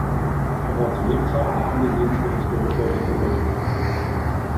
Er war zu Lebzeiten der angesehenste Historiker der Sowjetunion.